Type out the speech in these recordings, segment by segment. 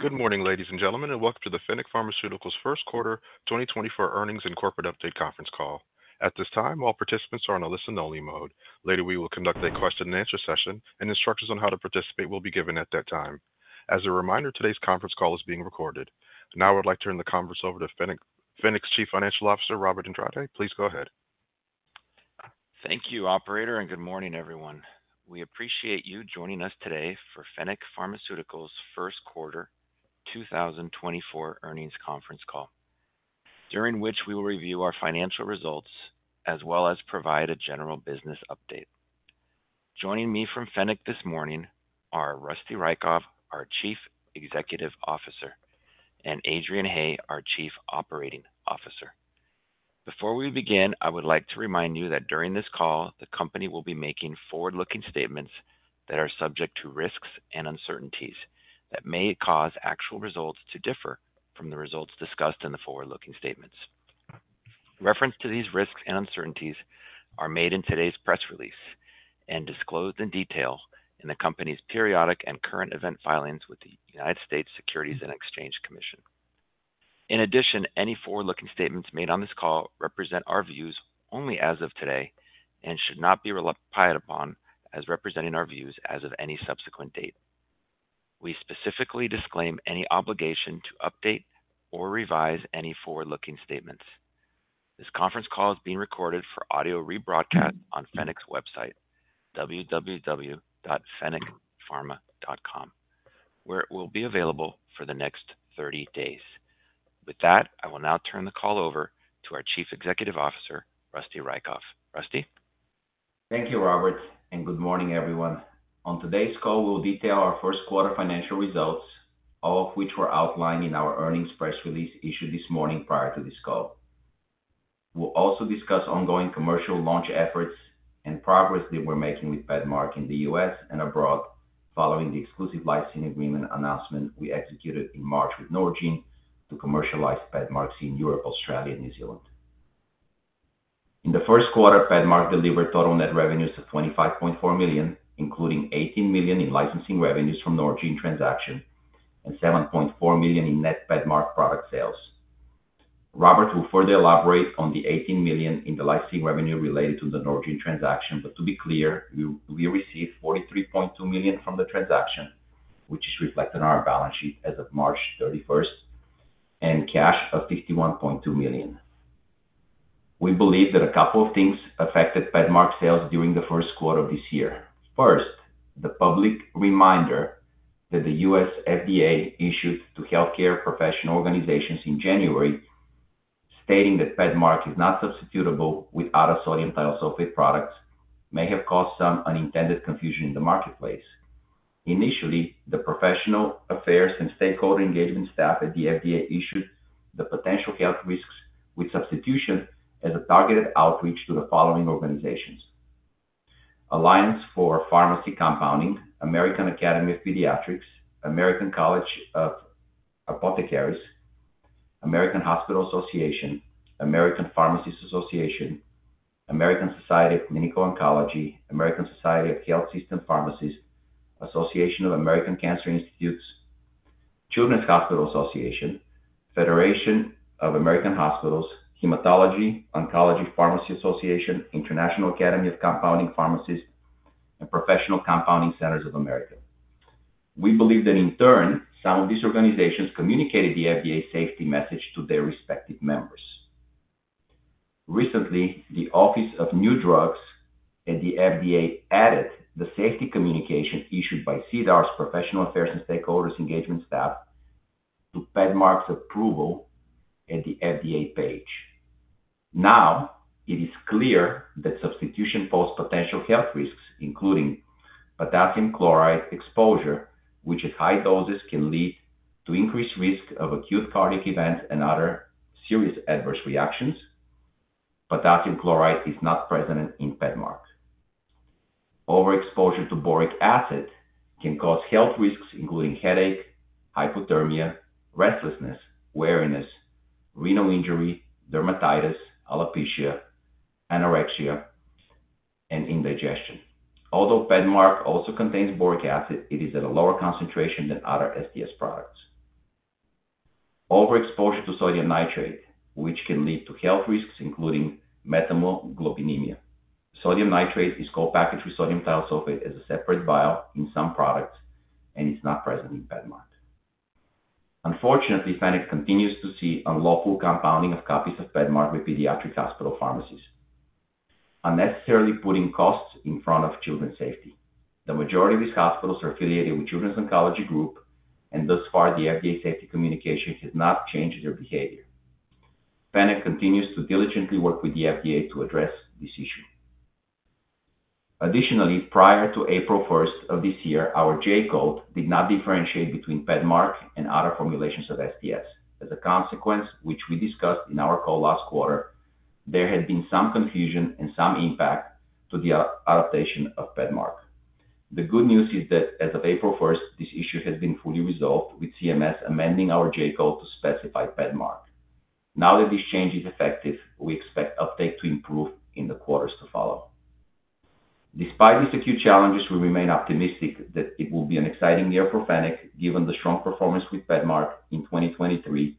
Good morning, ladies and gentlemen, and welcome to the Fennec Pharmaceuticals first quarter 2024 earnings and corporate update conference call. At this time, all participants are on a listen-only mode. Later, we will conduct a question-and-answer session, and instructions on how to participate will be given at that time. As a reminder, today's conference call is being recorded. Now I would like to turn the conference over to Fennec's Chief Financial Officer, Robert Andrade. Please go ahead. Thank you, Operator, and good morning, everyone. We appreciate you joining us today for Fennec Pharmaceuticals first quarter 2024 earnings conference call, during which we will review our financial results as well as provide a general business update. Joining me from Fennec this morning are Rosty Raykov, our Chief Executive Officer, and Adrian Haigh, our Chief Operating Officer. Before we begin, I would like to remind you that during this call the company will be making forward-looking statements that are subject to risks and uncertainties that may cause actual results to differ from the results discussed in the forward-looking statements. Reference to these risks and uncertainties are made in today's press release and disclosed in detail in the company's periodic and current event filings with the United States Securities and Exchange Commission. In addition, any forward-looking statements made on this call represent our views only as of today and should not be relied upon as representing our views as of any subsequent date. We specifically disclaim any obligation to update or revise any forward-looking statements. This conference call is being recorded for audio rebroadcast on Fennec's website, www.fennecpharma.com, where it will be available for the next 30 days. With that, I will now turn the call over to our Chief Executive Officer, Rosty Raykov. Rosty? Thank you, Robert, and good morning, everyone. On today's call, we'll detail our first quarter financial results, all of which were outlined in our earnings press release issued this morning prior to this call. We'll also discuss ongoing commercial launch efforts and progress that we're making with PEDMARK in the U.S. and abroad following the exclusive licensing agreement announcement we executed in March with Norgine to commercialize PEDMARQSI in Europe, Australia, and New Zealand. In the first quarter, PEDMARK delivered total net revenues of $25.4 million, including $18 million in licensing revenues from Norgine transaction and $7.4 million in net PEDMARK product sales. Robert will further elaborate on the $18 million in the licensing revenue related to the Norgine transaction, but to be clear, we received $43.2 million from the transaction, which is reflected on our balance sheet as of March 31st, and cash of $51.2 million. We believe that a couple of things affected PEDMARK sales during the first quarter of this year. First, the public reminder that the US FDA issued to healthcare professional organizations in January, stating that PEDMARK is not substitutable without a sodium thiosulfate product, may have caused some unintended confusion in the marketplace. Initially, the Professional Affairs and Stakeholder Engagement staff at the FDA issued the potential health risks with substitution as a targeted outreach to the following organizations: Alliance for Pharmacy Compounding, American Academy of Pediatrics, American College of Apothecaries, American Hospital Association, American Pharmacists Association, American Society of Clinical Oncology, American Society of Health System Pharmacies, Association of American Cancer Institutes, Children's Hospital Association, Federation of American Hospitals, Hematology/Oncology Pharmacy Association, International Academy of Compounding Pharmacies, and Professional Compounding Centers of America. We believe that, in turn, some of these organizations communicated the FDA safety message to their respective members. Recently, the Office of New Drugs at the FDA added the safety communication issued by CDER's Professional Affairs and Stakeholder Engagement staff to PEDMARK's approval at the FDA page. Now it is clear that substitution poses potential health risks, including potassium chloride exposure, which at high doses can lead to increased risk of acute cardiac events and other serious adverse reactions. Potassium chloride is not present in PEDMARK. Overexposure to boric acid can cause health risks, including headache, hypothermia, restlessness, weariness, renal injury, dermatitis, alopecia, anorexia, and indigestion. Although PEDMARK also contains boric acid, it is at a lower concentration than other STS products. Overexposure to sodium nitrite, which can lead to health risks, including methemoglobinemia. Sodium nitrite is co-packaged with sodium thiosulfate as a separate vial in some products, and it's not present in PEDMARK. Unfortunately, Fennec continues to see unlawful compounding of copies of PEDMARK with pediatric hospital pharmacies, unnecessarily putting costs in front of children's safety. The majority of these hospitals are affiliated with Children's Oncology Group, and thus far the FDA safety communication has not changed their behavior. Fennec continues to diligently work with the FDA to address this issue. Additionally, prior to April 1st of this year, our J-code did not differentiate between PEDMARK and other formulations of STS. As a consequence, which we discussed in our call last quarter, there had been some confusion and some impact to the adoption of PEDMARK. The good news is that, as of April 1st, this issue has been fully resolved with CMS amending our J-code to specify PEDMARK. Now that this change is effective, we expect uptake to improve in the quarters to follow. Despite these acute challenges, we remain optimistic that it will be an exciting year for Fennec, given the strong performance with PEDMARK in 2023,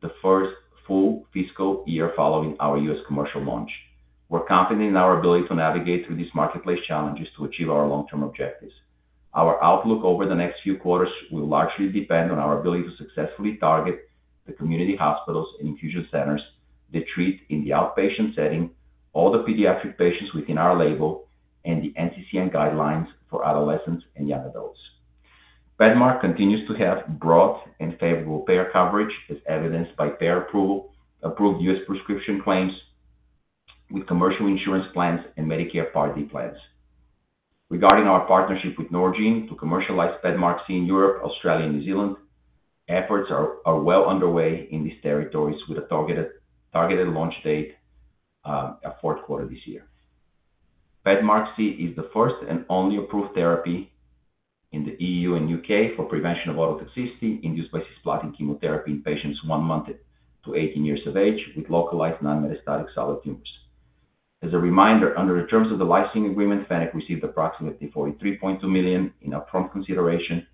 the first full fiscal year following our U.S. commercial launch. We're confident in our ability to navigate through these marketplace challenges to achieve our long-term objectives. Our outlook over the next few quarters will largely depend on our ability to successfully target the community hospitals and infusion centers, the treatment in the outpatient setting, all the pediatric patients within our label, and the NCCN guidelines for adolescents and young adults. PEDMARK continues to have broad and favorable payer coverage, as evidenced by payer-approved U.S. prescription claims with commercial insurance plans and Medicare Part D plans. Regarding our partnership with Norgine to commercialize PEDMARQSI in Europe, Australia, and New Zealand, efforts are well underway in these territories with a targeted launch date of fourth quarter this year. PEDMARQSI is the first and only approved therapy in the E.U. and U.K. for prevention of ototoxicity induced by cisplatin chemotherapy in patients one month to 18 years of age with localized non-metastatic solid tumors. As a reminder, under the terms of the licensing agreement, Fennec received approximately $43.2 million in upfront consideration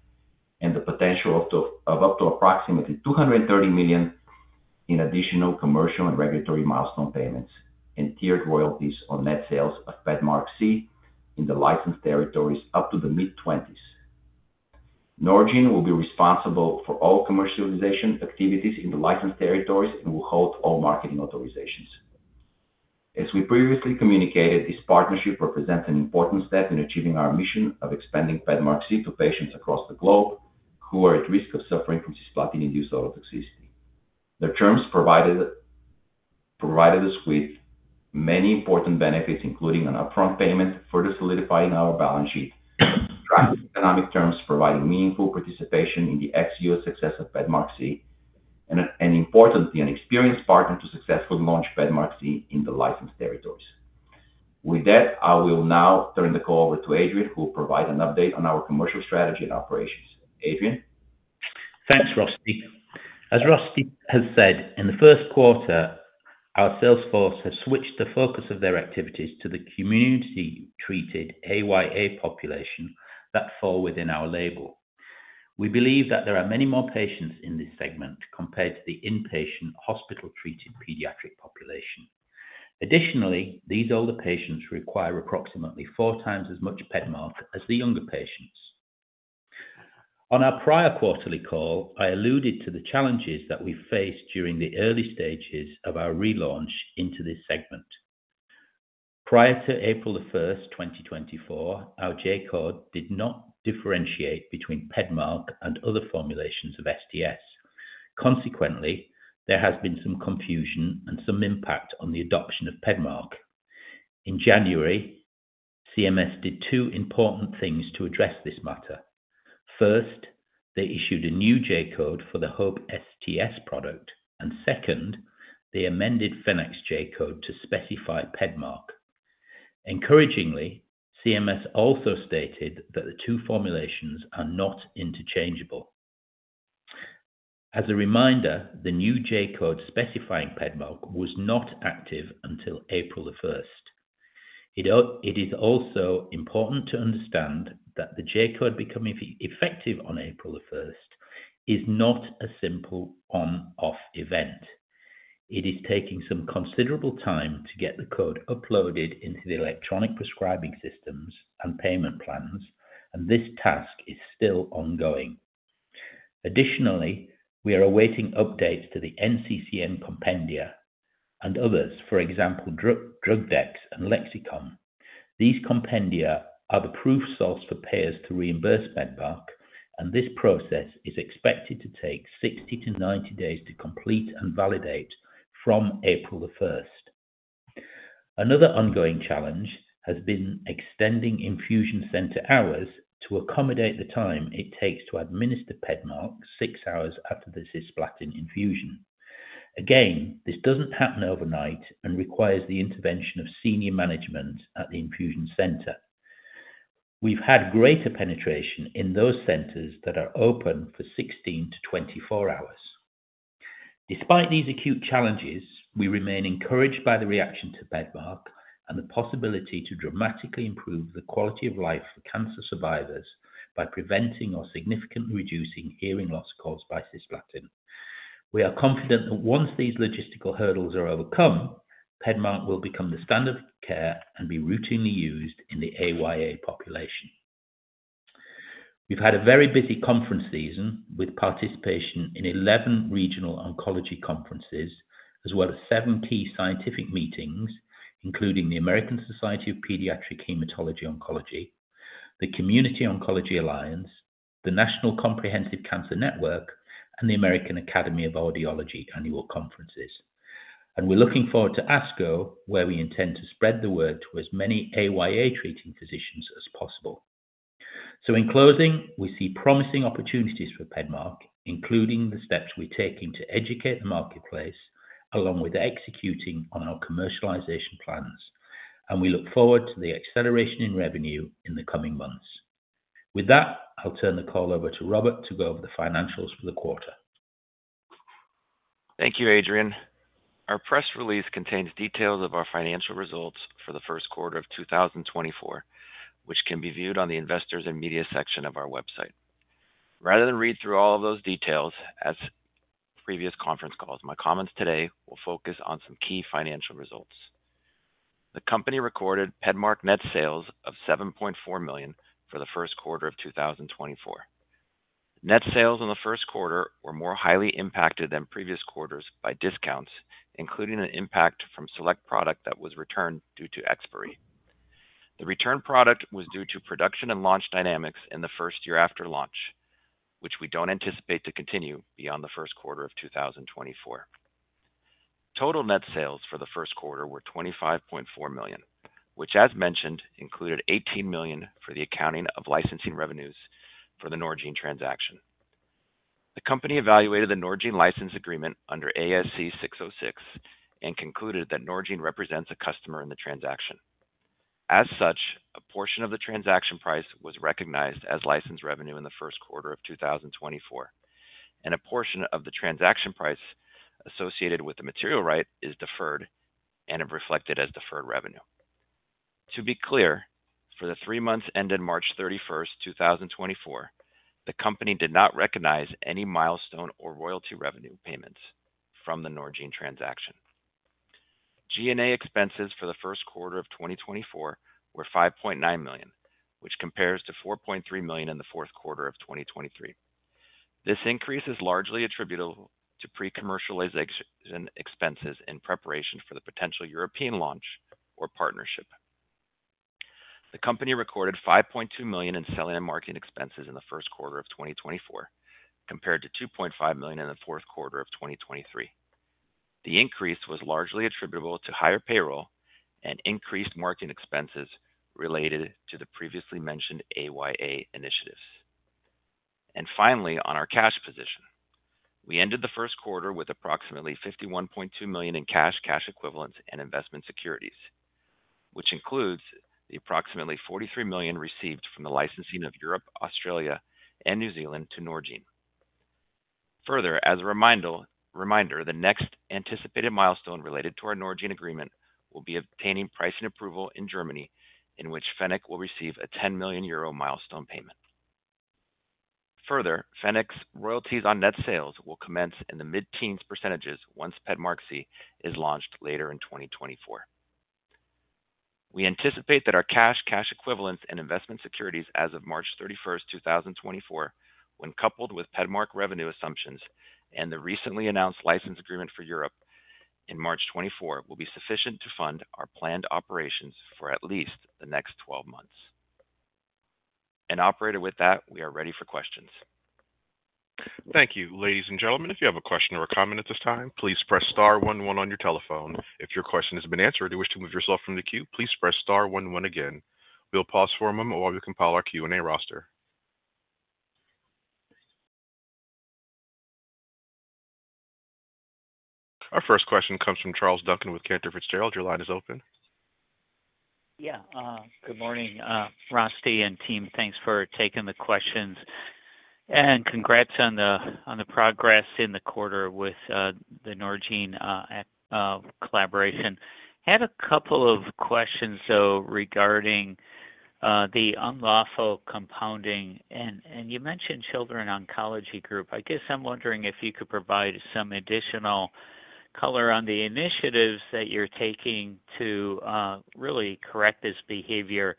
and the potential of up to approximately $230 million in additional commercial and regulatory milestone payments and tiered royalties on net sales of PEDMARQSI in the licensed territories up to the mid-20s. Norgine will be responsible for all commercialization activities in the licensed territories and will hold all marketing authorizations. As we previously communicated, this partnership represents an important step in achieving our mission of expanding PEDMARK to patients across the globe who are at risk of suffering from cisplatin-induced ototoxicity. The terms provided us with many important benefits, including an upfront payment further solidifying our balance sheet, tracking economic terms providing meaningful participation in the ex-US success of PEDMARK, and importantly, an experienced partner to successfully launch PEDMARK in the licensed territories. With that, I will now turn the call over to Adrian, who will provide an update on our commercial strategy and operations. Adrian? Thanks, Rosty. As Rosty has said, in the first quarter, our sales force has switched the focus of their activities to the community-treated AYA population that fall within our label. We believe that there are many more patients in this segment compared to the inpatient hospital-treated pediatric population. Additionally, these older patients require approximately 4x as much PEDMARK as the younger patients. On our prior quarterly call, I alluded to the challenges that we faced during the early stages of our relaunch into this segment. Prior to April 1st, 2024, our J-code did not differentiate between PEDMARK and other formulations of StS. Consequently, there has been some confusion and some impact on the adoption of PEDMARK. In January, CMS did two important things to address this matter. First, they issued a new J-code for the Hope STS product, and second, they amended Fennec's J-code to specify PEDMARK. Encouragingly, CMS also stated that the two formulations are not interchangeable. As a reminder, the new J-code specifying PEDMARK was not active until April 1st. It is also important to understand that the J-code becoming effective on April 1st is not a simple on-off event. It is taking some considerable time to get the code uploaded into the electronic prescribing systems and payment plans, and this task is still ongoing. Additionally, we are awaiting updates to the NCCN compendia and others, for example, DrugDex and Lexicomp. These compendia are the proof source for payers to reimburse PEDMARK, and this process is expected to take 60-90 days to complete and validate from April 1st. Another ongoing challenge has been extending infusion center hours to accommodate the time it takes to administer PEDMARK six hours after the cisplatin infusion. Again, this doesn't happen overnight and requires the intervention of senior management at the infusion center. We've had greater penetration in those centers that are open for 16hours -24 hours. Despite these acute challenges, we remain encouraged by the reaction to PEDMARK and the possibility to dramatically improve the quality of life for cancer survivors by preventing or significantly reducing hearing loss caused by cisplatin. We are confident that once these logistical hurdles are overcome, PEDMARK will become the standard of care and be routinely used in the AYA population. We've had a very busy conference season with participation in 11 regional oncology conferences, as well as seven key scientific meetings, including the American Society of Pediatric Hematology/Oncology, the Community Oncology Alliance, the National Comprehensive Cancer Network, and the American Academy of Audiology annual conferences. We're looking forward to ASCO, where we intend to spread the word to as many AYA treating physicians as possible. In closing, we see promising opportunities for PEDMARK, including the steps we're taking to educate the marketplace along with executing on our commercialization plans, and we look forward to the acceleration in revenue in the coming months. With that, I'll turn the call over to Robert to go over the financials for the quarter. Thank you, Adrian. Our press release contains details of our financial results for the first quarter of 2024, which can be viewed on the Investors and Media section of our website. Rather than read through all of those details at previous conference calls, my comments today will focus on some key financial results. The company recorded PEDMARK net sales of $7.4 million for the first quarter of 2024. Net sales in the first quarter were more highly impacted than previous quarters by discounts, including an impact from select product that was returned due to expiry. The return product was due to production and launch dynamics in the first year after launch, which we don't anticipate to continue beyond the first quarter of 2024. Total net sales for the first quarter were $25.4 million, which, as mentioned, included $18 million for the accounting of licensing revenues for the Norgine transaction. The company evaluated the Norgine license agreement under ASC 606 and concluded that Norgine represents a customer in the transaction. As such, a portion of the transaction price was recognized as license revenue in the first quarter of 2024, and a portion of the transaction price associated with the material right is deferred and reflected as deferred revenue. To be clear, for the three months ended March 31st, 2024, the company did not recognize any milestone or royalty revenue payments from the Norgine transaction. G&A expenses for the first quarter of 2024 were $5.9 million, which compares to $4.3 million in the fourth quarter of 2023. This increase is largely attributable to pre-commercialization expenses in preparation for the potential European launch or partnership. The company recorded $5.2 million in selling and marketing expenses in the first quarter of 2024, compared to $2.5 million in the fourth quarter of 2023. The increase was largely attributable to higher payroll and increased marketing expenses related to the previously mentioned AYA initiatives. And finally, on our cash position, we ended the first quarter with approximately $51.2 million in cash, cash equivalents, and investment securities, which includes the approximately $43 million received from the licensing of Europe, Australia, and New Zealand to Norgine. Further, as a reminder, the next anticipated milestone related to our Norgine agreement will be obtaining pricing approval in Germany, in which Fennec will receive a 10 million euro milestone payment. Further, Fennec's royalties on net sales will commence in the mid-teens % once PEDMARQSI is launched later in 2024. We anticipate that our cash, cash equivalents, and investment securities as of March 31st, 2024, when coupled with PEDMARK revenue assumptions and the recently announced license agreement for Europe in March 2024, will be sufficient to fund our planned operations for at least the next 12 months. Operator, with that, we are ready for questions. Thank you. Ladies and gentlemen, if you have a question or a comment at this time, please press star one one on your telephone. If your question has been answered or you wish to move yourself from the queue, please press star one one again. We'll pause for a moment while we compile our Q&A roster. Our first question comes from Charles Duncan with Cantor Fitzgerald. Your line is open. Yeah. Good morning, Rosty and team. Thanks for taking the questions. And congrats on the progress in the quarter with the Norgine collaboration. Had a couple of questions, though, regarding the unlawful compounding. And you mentioned Children's Oncology Group. I guess I'm wondering if you could provide some additional color on the initiatives that you're taking to really correct this behavior.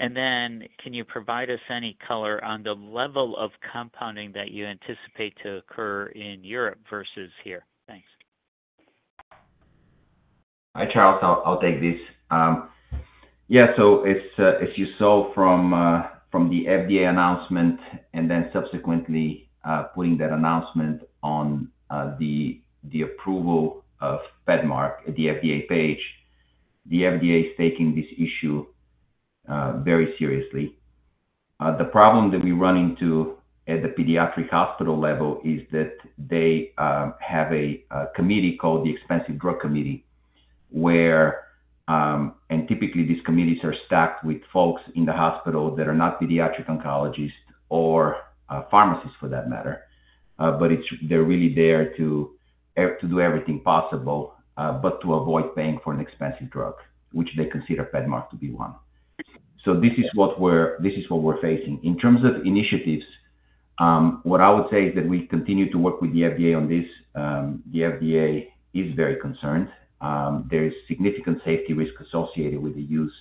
And then can you provide us any color on the level of compounding that you anticipate to occur in Europe versus here? Thanks. Hi, Charles. I'll take this. Yeah, so as you saw from the FDA announcement and then subsequently putting that announcement on the approval of PEDMARK, the FDA page, the FDA is taking this issue very seriously. The problem that we run into at the pediatric hospital level is that they have a committee called the Expensive Drug Committee, and typically these committees are stacked with folks in the hospital that are not pediatric oncologists or pharmacists, for that matter. But they're really there to do everything possible but to avoid paying for an expensive drug, which they consider PEDMARK to be one. So this is what we're facing. In terms of initiatives, what I would say is that we continue to work with the FDA on this. The FDA is very concerned. There is significant safety risk associated with the use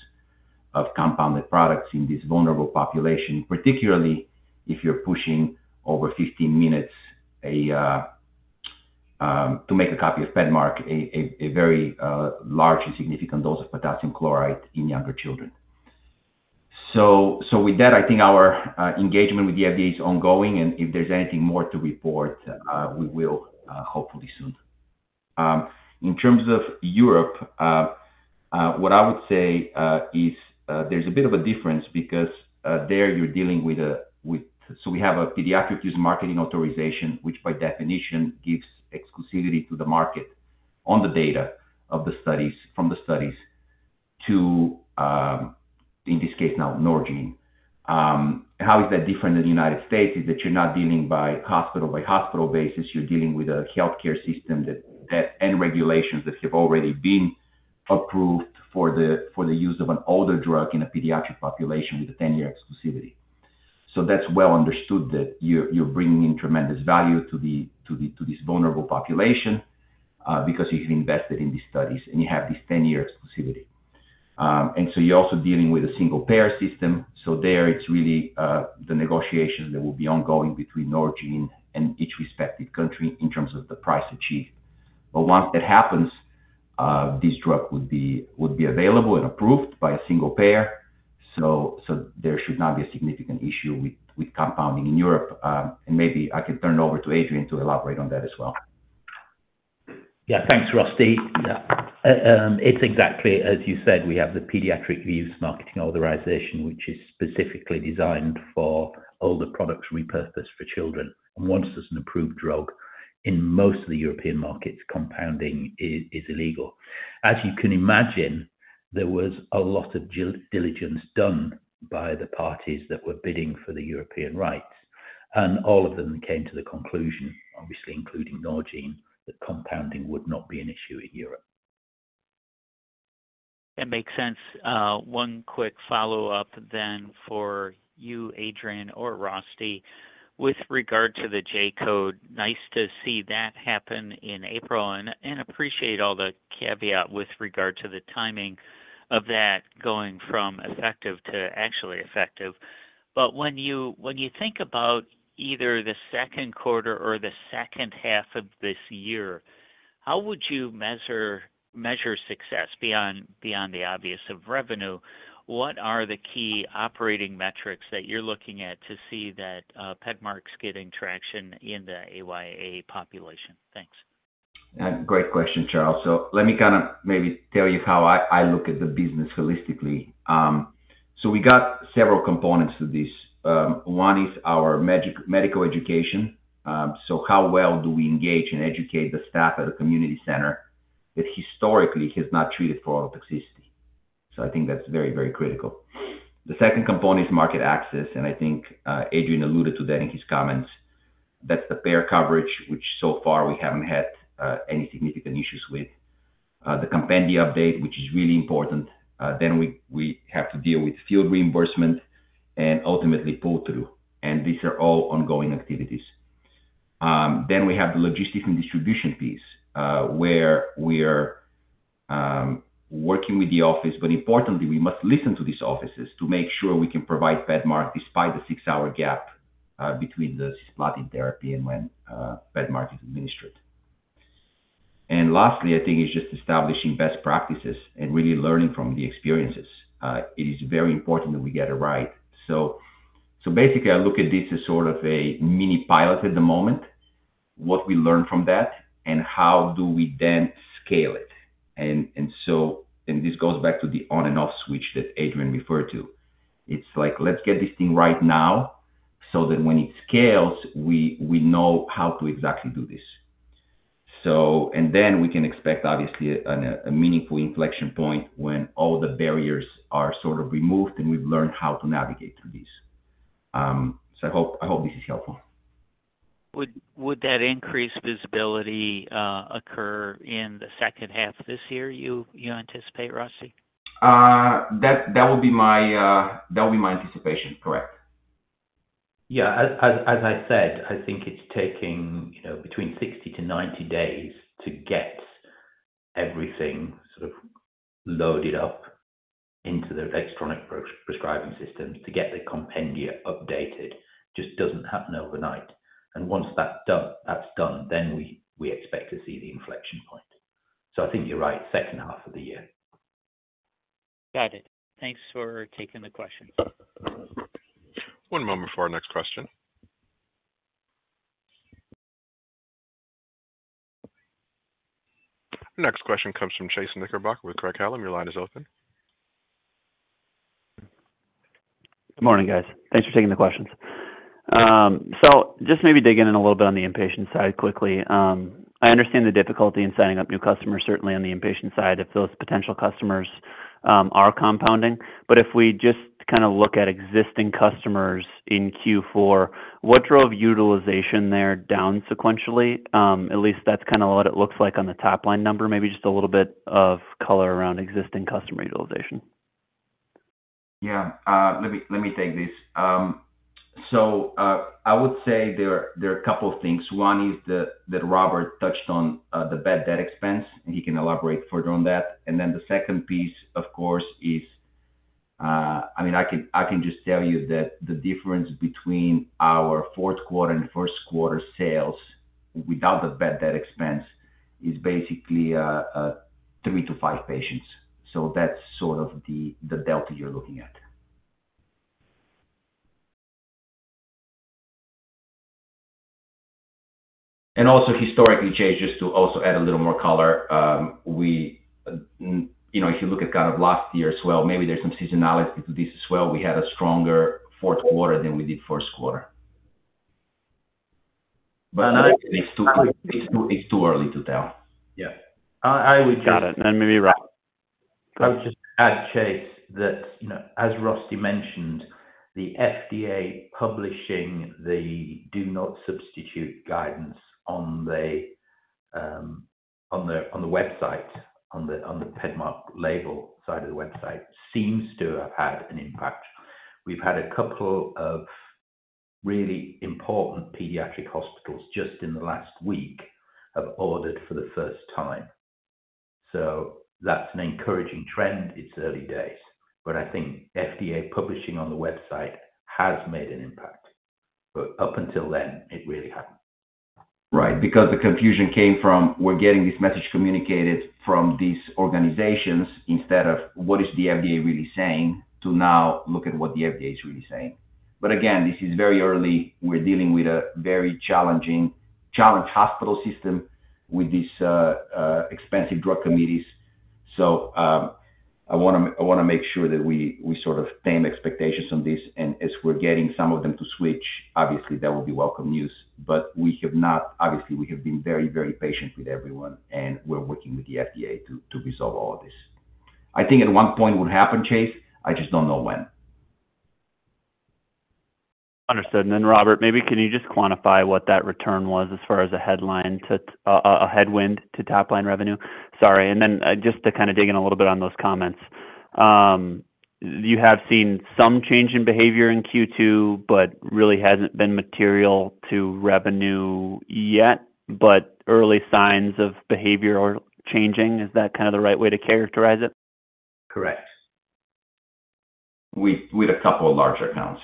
of compounded products in this vulnerable population, particularly if you're pushing over 15 minutes to make a copy of PEDMARK, a very large and significant dose of potassium chloride in younger children. So with that, I think our engagement with the FDA is ongoing, and if there's anything more to report, we will hopefully soon. In terms of Europe, what I would say is there's a bit of a difference because there you're dealing with, so we have a Pediatric-Use Marketing Authorization, which by definition gives exclusivity to the market on the data from the studies to, in this case now, Norgine. How is that different than the United States? Is that you're not dealing by hospital-by-hospital basis. You're dealing with a healthcare system and regulations that have already been approved for the use of an older drug in a pediatric population with a 10-year exclusivity. So that's well understood that you're bringing in tremendous value to this vulnerable population because you've invested in these studies and you have this 10-year exclusivity. And so you're also dealing with a single payer system. So there it's really the negotiations that will be ongoing between Norgine and each respective country in terms of the price achieved. But once that happens, this drug would be available and approved by a single payer. So there should not be a significant issue with compounding in Europe. And maybe I can turn it over to Adrian to elaborate on that as well. Yeah, thanks, Rosty. Yeah, it's exactly as you said. We have the pediatric use marketing authorization, which is specifically designed for older products repurposed for children. Once there's an approved drug, in most of the European markets, compounding is illegal. As you can imagine, there was a lot of diligence done by the parties that were bidding for the European rights. All of them came to the conclusion, obviously including Norgine, that compounding would not be an issue in Europe. That makes sense. One quick follow-up then for you, Adrian, or Rosty, with regard to the J-code. Nice to see that happen in April and appreciate all the caveat with regard to the timing of that going from effective to actually effective. But when you think about either the second quarter or the second half of this year, how would you measure success beyond the obvious of revenue? What are the key operating metrics that you're looking at to see that PEDMARK's getting traction in the AYA population? Thanks. Great question, Charles. So let me kind of maybe tell you how I look at the business holistically. So we got several components to this. One is our medical education. So how well do we engage and educate the staff at a community center that historically has not treated for ototoxicity? So I think that's very, very critical. The second component is market access. And I think Adrian alluded to that in his comments. That's the payer coverage, which so far we haven't had any significant issues with. The compendium update, which is really important. Then we have to deal with field reimbursement and ultimately pull-through. And these are all ongoing activities. Then we have the logistics and distribution piece where we're working with the office, but importantly, we must listen to these offices to make sure we can provide PEDMARK despite the six-hour gap between the cisplatin therapy and when PEDMARK is administered. Lastly, I think it's just establishing best practices and really learning from the experiences. It is very important that we get it right. Basically, I look at this as sort of a mini-pilot at the moment, what we learn from that, and how do we then scale it. This goes back to the on-and-off switch that Adrian referred to. It's like, "Let's get this thing right now so that when it scales, we know how to exactly do this." Then we can expect, obviously, a meaningful inflection point when all the barriers are sort of removed and we've learned how to navigate through these. I hope this is helpful. Would that increased visibility occur in the second half this year, you anticipate, Rosty? That would be my anticipation, correct. Yeah, as I said, I think it's taking between 60 days-90 days to get everything sort of loaded up into the electronic prescribing systems to get the compendium updated. Just doesn't happen overnight. And once that's done, then we expect to see the inflection point. So I think you're right, second half of the year. Got it. Thanks for taking the question. One moment for our next question. Next question comes from Chase Knickerbocker with Craig-Hallum. Your line is open. Good morning, guys. Thanks for taking the questions. So just maybe digging in a little bit on the inpatient side quickly. I understand the difficulty in signing up new customers, certainly on the inpatient side, if those potential customers are compounding. But if we just kind of look at existing customers in Q4, what drove utilization there down sequentially? At least that's kind of what it looks like on the top-line number, maybe just a little bit of color around existing customer utilization. Yeah. Let me take this. So I would say there are a couple of things. One is that Robert touched on the bad debt expense, and he can elaborate further on that. And then the second piece, of course, is I mean, I can just tell you that the difference between our fourth quarter and first quarter sales without the bad debt expense is basically 3 patients-5 patients. So that's sort of the delta you're looking at. And also historically, Chase, just to also add a little more color, if you look at kind of last year as well, maybe there's some seasonality to this as well. We had a stronger fourth quarter than we did first quarter. But it's too early to tell. Yeah. I would just. Got it. And then maybe Rob. I would just add, Chase, that as Rosty mentioned, the FDA publishing the do-not-substitute guidance on the website, on the PEDMARK label side of the website, seems to have had an impact. We've had a couple of really important pediatric hospitals just in the last week have ordered for the first time. So that's an encouraging trend. It's early days. But I think FDA publishing on the website has made an impact. But up until then, it really hadn't. Right, because the confusion came from, "We're getting this message communicated from these organizations instead of what is the FDA really saying," to now look at what the FDA is really saying. But again, this is very early. We're dealing with a very challenged hospital system with these expensive drug committees. So I want to make sure that we sort of tame expectations on this. As we're getting some of them to switch, obviously, that will be welcome news. Obviously, we have been very, very patient with everyone, and we're working with the FDA to resolve all of this. I think at one point would happen, Chase. I just don't know when. Understood. And then Robert, maybe can you just quantify what that return was as far as a headwind to top-line revenue? Sorry. And then just to kind of dig in a little bit on those comments, you have seen some change in behavior in Q2, but really hasn't been material to revenue yet. But early signs of behavior are changing. Is that kind of the right way to characterize it? Correct. With a couple of larger accounts.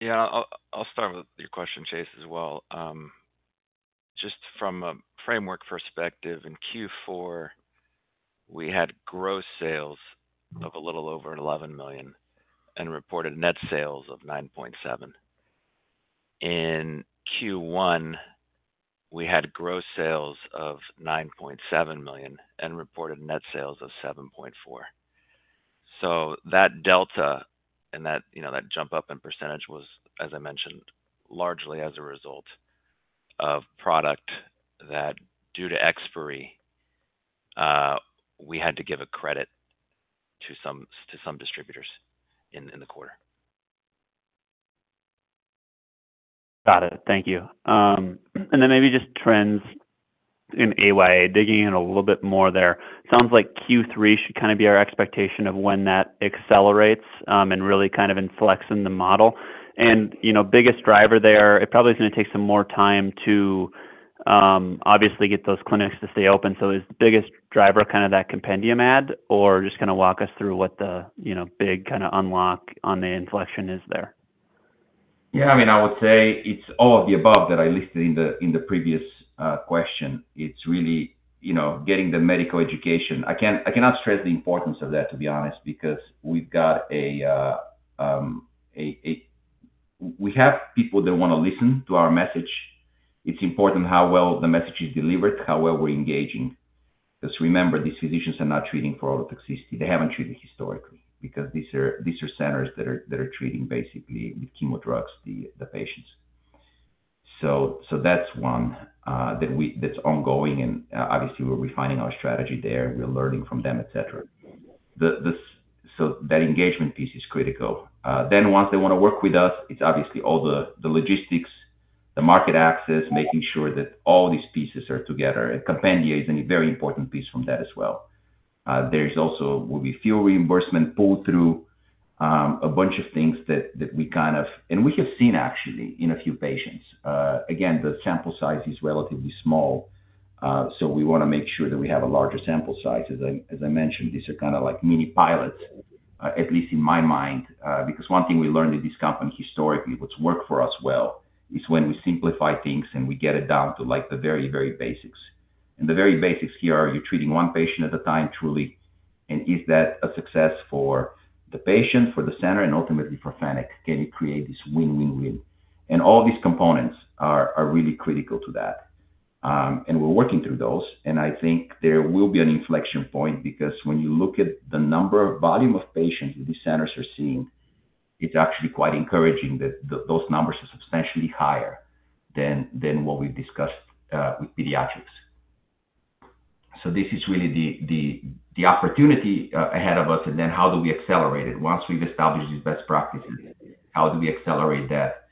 Yeah, I'll start with your question, Chase, as well. Just from a framework perspective, in Q4, we had gross sales of a little over $11 million and reported net sales of $9.7 million. In Q1, we had gross sales of $9.7 million and reported net sales of $7.4 million. So that delta and that jump-up in percentage was, as I mentioned, largely as a result of product that, due to expiry, we had to give a credit to some distributors in the quarter. Got it. Thank you. And then maybe just trends in AYA, digging in a little bit more there. Sounds like Q3 should kind of be our expectation of when that accelerates and really kind of inflects in the model. And biggest driver there, it probably is going to take some more time to obviously get those clinics to stay open. So is the biggest driver kind of that compendium ad or just kind of walk us through what the big kind of unlock on the inflection is there? Yeah, I mean, I would say it's all of the above that I listed in the previous question. It's really getting the medical education. I cannot stress the importance of that, to be honest, because we've got, we have people that want to listen to our message. It's important how well the message is delivered, how well we're engaging. Because remember, these physicians are not treating for ototoxicity. They haven't treated historically because these are centers that are treating basically with chemo drugs the patients. So that's one that's ongoing. And obviously, we're refining our strategy there. We're learning from them, etc. So that engagement piece is critical. Then once they want to work with us, it's obviously all the logistics, the market access, making sure that all these pieces are together. And compendium is a very important piece from that as well. There will be fuel reimbursement, pull-through, a bunch of things that we kind of and we have seen, actually, in a few patients. Again, the sample size is relatively small. So we want to make sure that we have a larger sample size. As I mentioned, these are kind of like mini-pilots, at least in my mind. Because one thing we learned at this company historically, what's worked for us well, is when we simplify things and we get it down to the very, very basics. And the very basics here are, are you treating one patient at a time truly? And is that a success for the patient, for the center, and ultimately for Fennec? Can you create this win-win-win? And all these components are really critical to that. And we're working through those. I think there will be an inflection point because when you look at the number of volume of patients that these centers are seeing, it's actually quite encouraging that those numbers are substantially higher than what we've discussed with pediatrics. This is really the opportunity ahead of us. And then how do we accelerate it? Once we've established these best practices, how do we accelerate that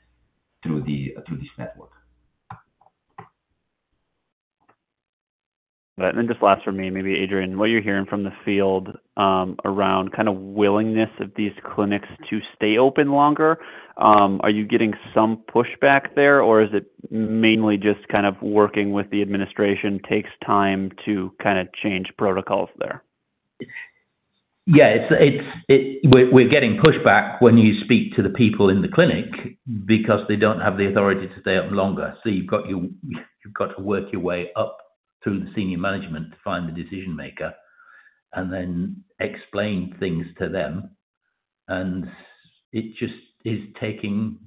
through this network? All right. And then just last for me, maybe Adrian, what you're hearing from the field around kind of willingness of these clinics to stay open longer, are you getting some pushback there, or is it mainly just kind of working with the administration takes time to kind of change protocols there? Yeah, we're getting pushback when you speak to the people in the clinic because they don't have the authority to stay up longer. So you've got to work your way up through the senior management to find the decision-maker and then explain things to them. It just is taking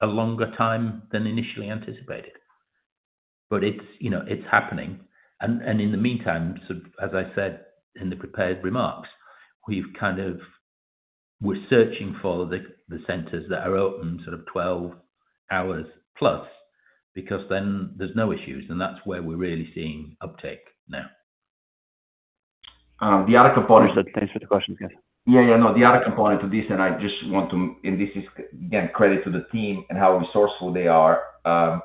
a longer time than initially anticipated. It's happening. In the meantime, sort of as I said in the prepared remarks, we're searching for the centers that are open sort of 12 hours+ because then there's no issues. That's where we're really seeing uptake now. The other component. Thanks for the questions, guys. Yeah, yeah, no, the other component to this, and I just want to—and this is, again, credit to the team and how resourceful they are.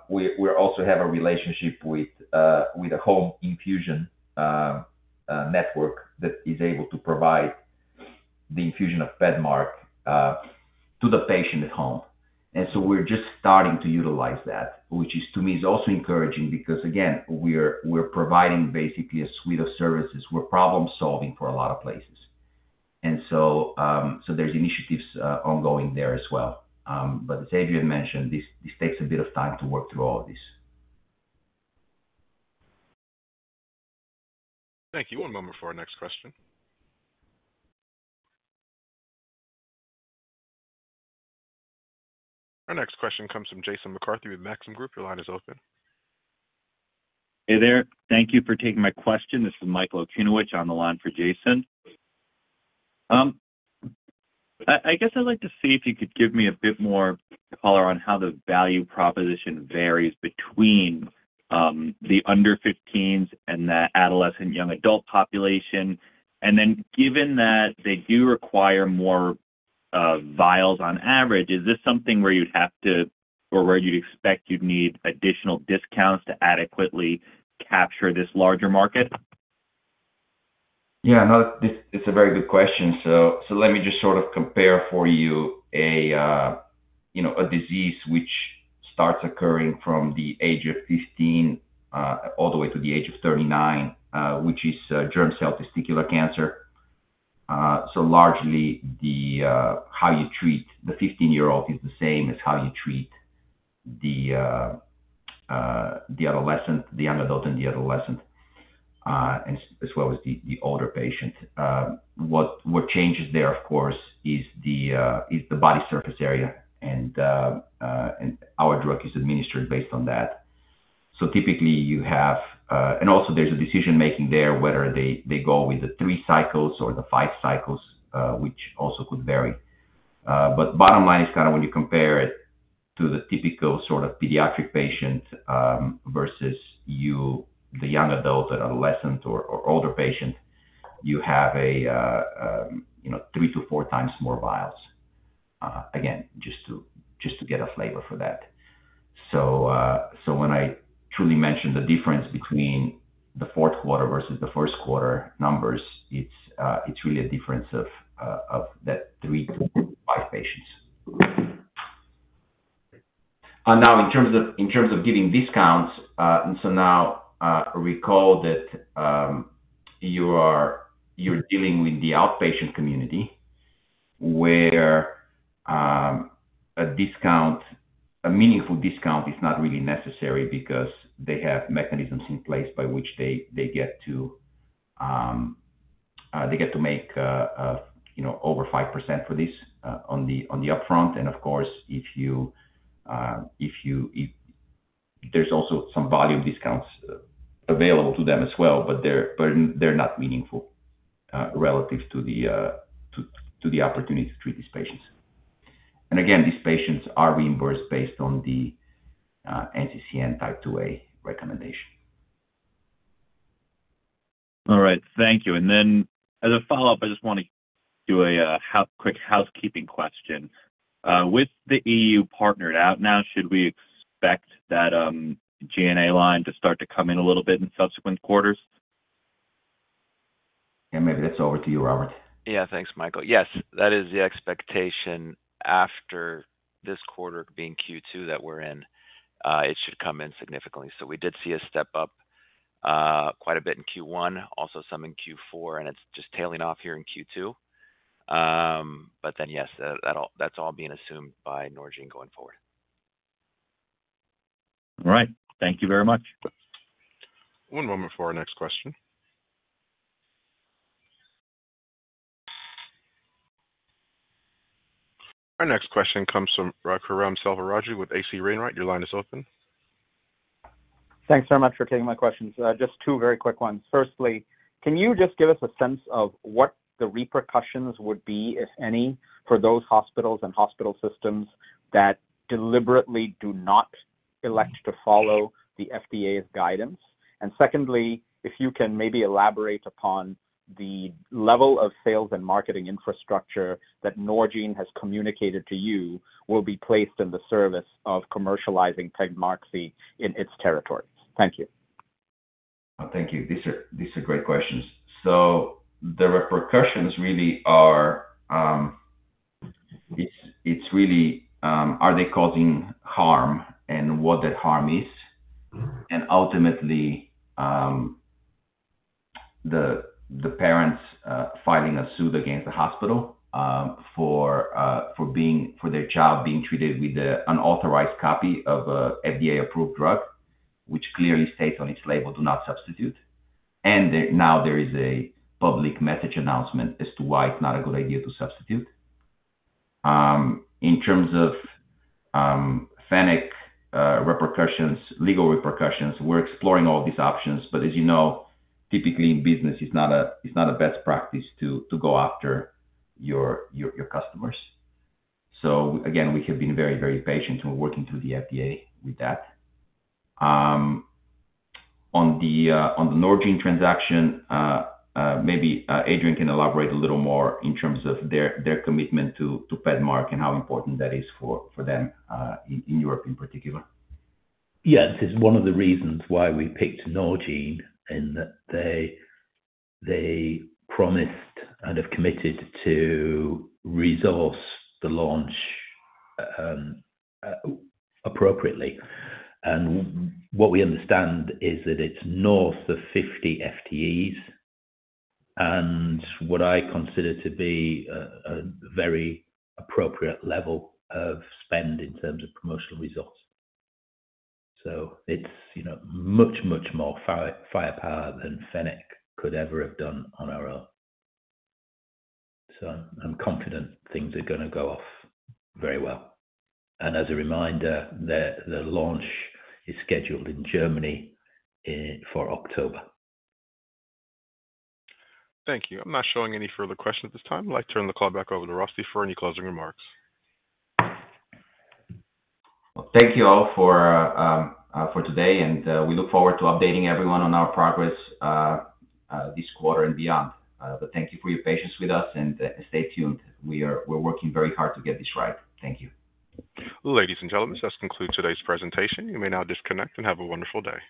We also have a relationship with a home infusion network that is able to provide the infusion of PEDMARK to the patient at home. So we're just starting to utilize that, which to me is also encouraging because, again, we're providing basically a suite of services. We're problem-solving for a lot of places. So there's initiatives ongoing there as well. But as Adrian mentioned, this takes a bit of time to work through all of this. Thank you. One moment for our next question. Our next question comes from Jason McCarthy with Maxim Group. Your line is open. Hey there. Thank you for taking my question. This is Michael Okunewitch on the line for Jason. I guess I'd like to see if you could give me a bit more color on how the value proposition varies between the under-15s and the adolescent young adult population. And then given that they do require more vials on average, is this something where you'd have to or where you'd expect you'd need additional discounts to adequately capture this larger market? Yeah, no, it's a very good question. So let me just sort of compare for you a disease which starts occurring from the age of 15 all the way to the age of 39, which is germ cell testicular cancer. So largely, how you treat the 15-year-old is the same as how you treat the adolescent, the young adult, and the adolescent, as well as the older patient. What changes there, of course, is the body surface area. And our drug is administered based on that. So typically, you have and also, there's a decision-making there whether they go with the three cycles or the five cycles, which also could vary. But bottom line is kind of when you compare it to the typical sort of pediatric patient versus the young adult or adolescent or older patient, you have 3-4x more vials. Again, just to get a flavor for that. So when I truly mention the difference between the fourth quarter versus the first quarter numbers, it's really a difference of that 3-5 patients. Now, in terms of giving discounts, and so now recall that you're dealing with the outpatient community where a meaningful discount is not really necessary because they have mechanisms in place by which they get to make over 5% for this on the upfront. And of course, if you there's also some volume discounts available to them as well, but they're not meaningful relative to the opportunity to treat these patients. And again, these patients are reimbursed based on the NCCN Type 2A recommendation. All right. Thank you. And then as a follow-up, I just want to do a quick housekeeping question. With the EU partnered out now, should we expect that G&A line to start to come in a little bit in subsequent quarters? Yeah, maybe that's over to you, Robert. Yeah, thanks, Michael. Yes, that is the expectation after this quarter being Q2 that we're in; it should come in significantly. So we did see a step up quite a bit in Q1, also some in Q4, and it's just tailing off here in Q2. But then yes, that's all being assumed by Norgine going forward. All right. Thank you very much. One moment for our next question. Our next question comes from Raghuram Selvaraju with H.C. Wainwright. Your line is open. Thanks very much for taking my questions. Just two very quick ones. Firstly, can you just give us a sense of what the repercussions would be, if any, for those hospitals and hospital systems that deliberately do not elect to follow the FDA's guidance? And secondly, if you can maybe elaborate upon the level of sales and marketing infrastructure that Norgine has communicated to you will be placed in the service of commercializing PEDMARQSI in its territory? Thank you. Thank you. These are great questions. So the repercussions really are they causing harm and what that harm is? And ultimately, the parents filing a suit against the hospital for their child being treated with an unauthorized copy of an FDA-approved drug, which clearly states on its label, "Do not substitute." And now there is a public message announcement as to why it's not a good idea to substitute. In terms of Fennec legal repercussions, we're exploring all these options. But as you know, typically, in business, it's not a best practice to go after your customers. So again, we have been very, very patient and working through the FDA with that. On the Norgine transaction, maybe Adrian can elaborate a little more in terms of their commitment to PEDMARQSI and how important that is for them in Europe in particular. Yeah, this is one of the reasons why we picked Norgine in that they promised and have committed to resource the launch appropriately. And what we understand is that it's north of 50 FTEs and what I consider to be a very appropriate level of spend in terms of promotional results. So it's much, much more firepower than Fennec could ever have done on our own. So I'm confident things are going to go off very well. And as a reminder, the launch is scheduled in Germany for October. Thank you. I'm not showing any further questions at this time. I'd like to turn the call back over to Rosty for any closing remarks. Well, thank you all for today. We look forward to updating everyone on our progress this quarter and beyond. Thank you for your patience with us. Stay tuned. We're working very hard to get this right. Thank you. Ladies and gentlemen, this concludes today's presentation. You may now disconnect and have a wonderful day.